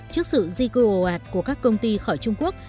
trước sự di cư ồ ạt của các công ty khỏi trung quốc